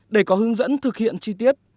để có hướng dẫn thực hiện chi tiết